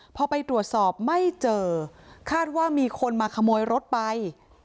พอไปตรวจสอบไม่เจอคาดว่ามีคนมาขโมยรถไป